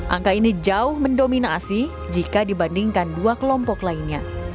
angka ini jauh mendominasi jika dibandingkan dua kelompok lainnya